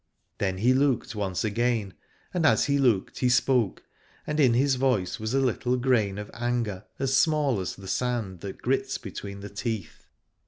Then he looked once again, and as he looked he spoke, and in his voice was a little grain of anger, as small as the sand that grits between the teeth.